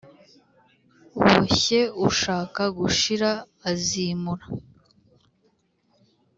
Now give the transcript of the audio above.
boshye ushaka gushira azimura